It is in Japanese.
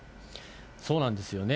そうなんですよね。